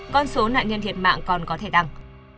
con số nạn nhân thiệt mạng còn có thể tăng